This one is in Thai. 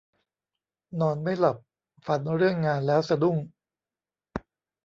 นอนไม่หลับ ฝันเรื่องงานแล้วสะดุ้ง